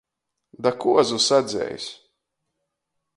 Da kuozu sadzeis.